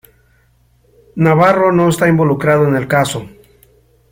Navarro no está involucrado en el caso.